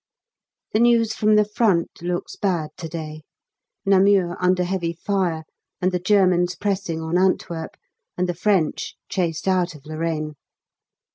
The news from the Front looks bad to day Namur under heavy fire, and the Germans pressing on Antwerp, and the French chased out of Lorraine.